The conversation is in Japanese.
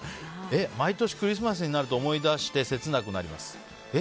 毎年クリスマスになると思い出して切なくなります。